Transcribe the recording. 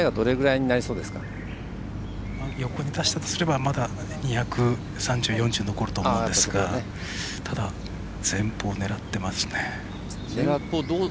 横に出したとしたら２３０２４０残ると思うんですがただ、前方狙っていますね。